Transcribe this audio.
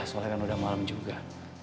soalnya kan udah malam juga